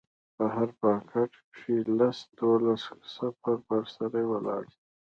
په هر پاټک کښې لس دولس کسه ببر سري ولاړ دي.